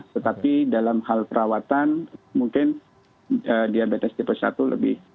tetapi dalam hal perawatan mungkin diabetes tipe satu harus lebih hati hati